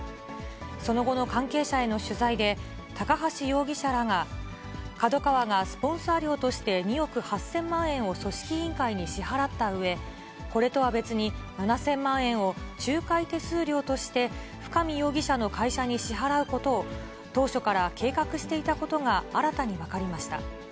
その後の関係者への取材で、高橋容疑者らが、ＫＡＤＯＫＡＷＡがスポンサー料として２億８０００万円を組織委員会に支払ったうえ、これとは別に７０００万円を仲介手数料として、深見容疑者の会社に支払うことを、当初から計画していたことが新たに分かりました。